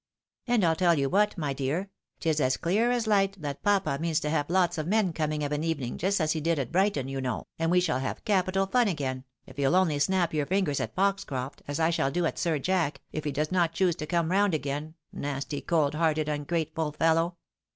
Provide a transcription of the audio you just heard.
And I'U tell you what, my dear, 'tis as clear as hght that papa means to have lots of men coming of an evening just as he did at Brighton, you know, and we shaE have capital fun again, if you'll only snap your fingers at Foxcroft, as I shall do at Sir Jack, if he does not choose to come round again, nasty, cold hearted, ungrateful fellow